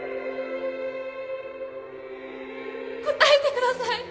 答えてください！